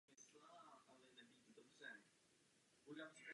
Taktéž byl schválen zákon o státních symbolech.